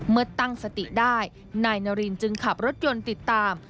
เมื่อตั้งสติได้นายนารินจึงขับรถยนต์ติดตาม